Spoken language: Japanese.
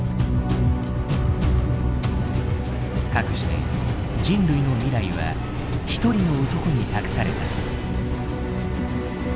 かくして人類の未来は一人の男に託された。